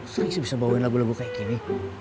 gak usah bisa bawain lagu lagu kayak gini